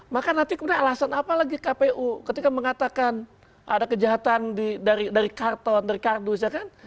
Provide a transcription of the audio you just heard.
maka nanti kemudian alasan apa lagi kpu ketika mengatakan ada kejahatan dari karton dari kardus ya kan